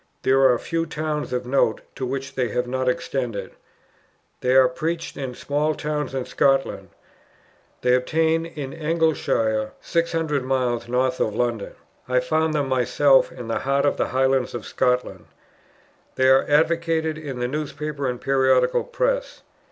There are few towns of note, to which they have not extended. They are preached in small towns in Scotland. They obtain in Elginshire, 600 miles north of London. I found them myself in the heart of the highlands of Scotland. They are advocated in the newspaper and periodical press.